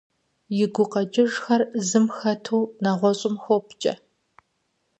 И гукъэкӀыжхэр зым хэту нэгъуэщӀым хопкӀэ.